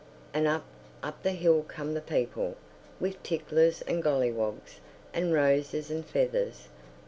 And up, up the hill come the people, with ticklers and golliwogs, and roses and feathers.